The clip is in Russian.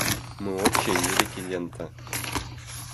Мы общей лирики лента.